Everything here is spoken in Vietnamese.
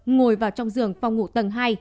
ngồi vào trong giường phòng ngủ tầng hai